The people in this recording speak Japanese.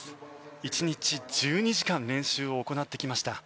１日１２時間練習を行ってきました。